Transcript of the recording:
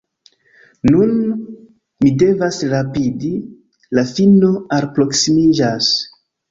Nun mi devas rapidi; la fino alproksimiĝas.